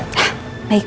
hah baik pak